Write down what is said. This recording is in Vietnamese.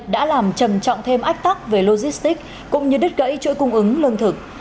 đã làm trầm trọng thêm ách tắc về logistics cũng như đứt gãy chuỗi cung ứng lương thực